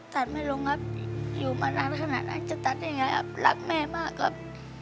ตัดไม่ลงครับอยู่มานานขนาดนั้นจะตัดยังไงครับรักแม่มากครับ